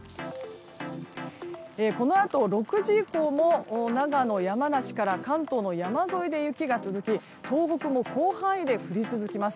このあと６時以降も長野、山梨から関東の山沿いで雪が続き、東北も広範囲で降り続きます。